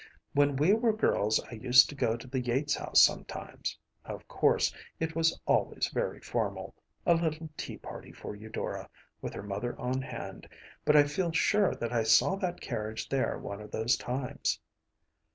When we were girls I used to go to the Yates house sometimes. Of course, it was always very formal, a little tea party for Eudora, with her mother on hand, but I feel sure that I saw that carriage there one of those times.